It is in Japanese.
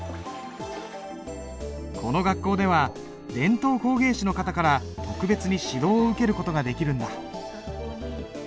この学校では伝統工芸士の方から特別に指導を受ける事ができるんだ。